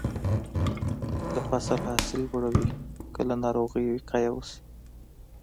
د فصل حاصل لوړوي که له ناروغیو وقایه وشي.